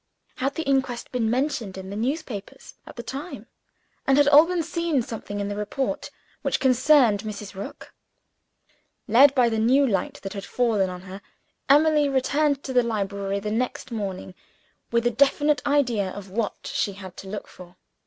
Had the inquest been mentioned in the newspapers, at the time? And had Alban seen something in the report, which concerned Mrs. Rook? Led by the new light that had fallen on her, Emily returned to the library the next morning with a definite idea of what she had to look for.